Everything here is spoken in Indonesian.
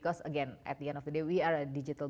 karena lagi pada akhirnya kita adalah bank digital